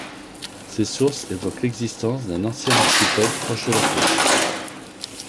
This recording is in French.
Ces sources évoquent l'existence d'un ancien archipel proche de la côte.